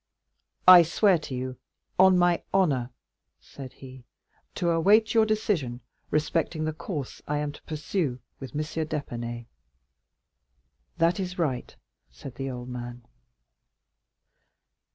"I swear to you, on my honor," said he, "to await your decision respecting the course I am to pursue with M. d'Épinay." "That is right," said the old man.